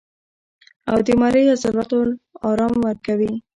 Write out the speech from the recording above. او د مرۍ عضلاتو له ارام ورکوي